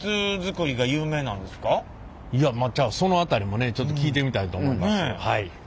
いやまあじゃあその辺りもねちょっと聞いてみたいと思います。